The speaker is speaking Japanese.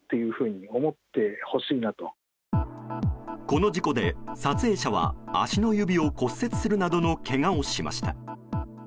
この事故で、撮影者は足の指を骨折するなどのけがをしました。